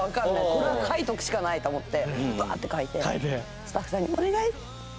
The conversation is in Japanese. これは書いとくしかないと思ってバーって書いてスタッフさんに「お願い！」